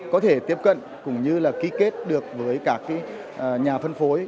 có thể tiếp cận cũng như là ký kết được với các nhà phân phối